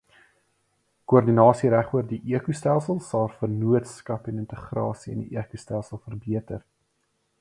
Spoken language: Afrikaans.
Koördinasie regoor die ekostelsel sal vennootskappe en integrasie in die ekostelsel verbeter.